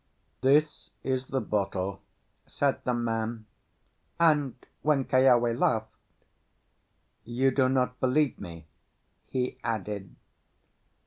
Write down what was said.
"This is the bottle," said the man; and, when Keawe laughed, "You do not believe me?" he added.